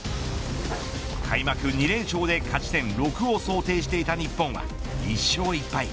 開幕２連勝で勝ち点６を想定していた日本は１勝１敗。